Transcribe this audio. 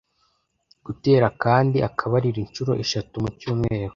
Gutera kandi akabariro inshuro eshatu mu cyumweru